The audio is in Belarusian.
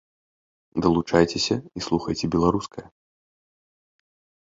Далучайцеся і слухайце беларускае!